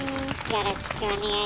よろしくお願いします。